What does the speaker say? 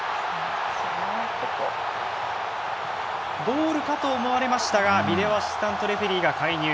ゴールかと思われましたがビデオ・アシスタント・レフェリーが介入。